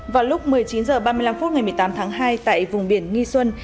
vào lúc một mươi chín h ba mươi năm phút ngày một mươi tám tháng hai tại vùng biển nghi xuân